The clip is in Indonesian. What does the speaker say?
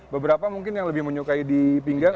beberapa mungkin yang lebih menyukai di pinggang